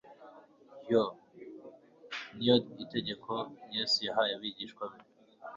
hyo ni iyo tegeko Yesu yahaye abigishwa be.